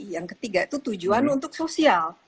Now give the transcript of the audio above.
yang ketiga itu tujuan untuk sosial